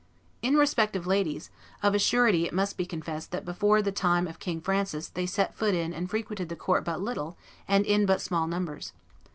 ... In respect of ladies, of a surety it must be confessed that before the time of King Francis they set foot in and frequented the court but little and in but small numbers.